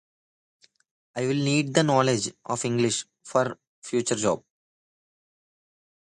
I will need the knowledge of English for my future job.